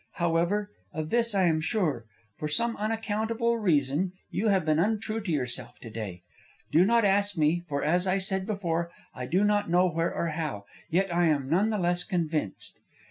However, of this I am sure: for some unaccountable reason you have been untrue to yourself to day. Do not ask me, for, as I said before, I do not know where or how; yet I am none the less convinced.